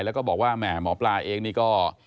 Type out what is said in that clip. แล้วก็บอกว่าแหมหมอปลาเองนี่ก็